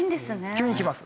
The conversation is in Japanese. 急にきます。